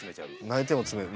泣いても詰める。